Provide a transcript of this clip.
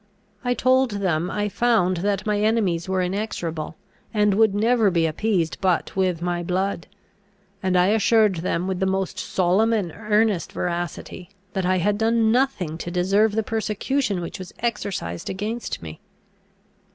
I told them, I found that my enemies were inexorable, and would never be appeased but with my blood; and I assured them with the most solemn and earnest veracity, that I had done nothing to deserve the persecution which was exercised against me.